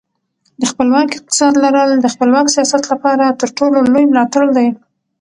د خپلواک اقتصاد لرل د خپلواک سیاست لپاره تر ټولو لوی ملاتړ دی.